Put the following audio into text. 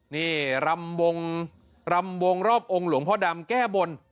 นี่รำวงรำวงรอบองค์หลวงพ่อดำแก้บน